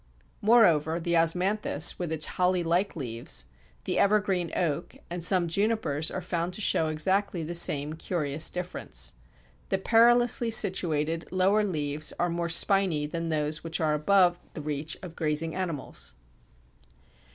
Moreover, the Osmanthus, with its holly like leaves, the Evergreen Oak, and some Junipers are found to show exactly the same curious difference. The perilously situated lower leaves are more spiny than those which are above the reach of grazing animals.